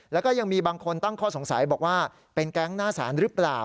แล้วก็ยังมีบางคนตั้งข้อสงสัยบอกว่าเป็นแก๊งหน้าสารหรือเปล่า